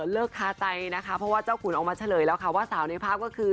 คาใจนะคะเพราะว่าเจ้าขุนออกมาเฉลยแล้วค่ะว่าสาวในภาพก็คือ